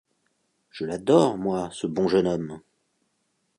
Je l’adore, moi, ce bon jeune homme.